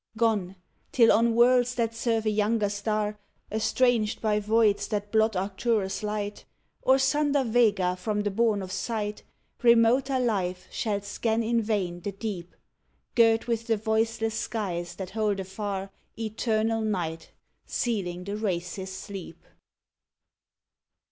Gone! till on worlds that serve a younger star Estranged by voids that blot Arcturus' light, Or sunder Vega from the bourne of sight, Remoter life shall scan in vain the Deep Girt with the voiceless skies that hold afar Eternal night, sealing the race's sleep.